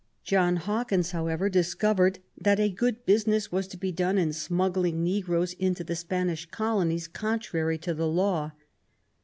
John Hawkins, however, discovered that a good business was to be done in smuggling negroes into the Spanish colonies contrary to the law.